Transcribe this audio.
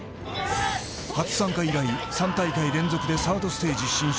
初参加以来、３大会連続でサードステージ進出。